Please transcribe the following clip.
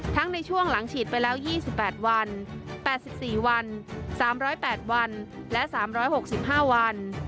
ในช่วงหลังฉีดไปแล้ว๒๘วัน๘๔วัน๓๐๘วันและ๓๖๕วัน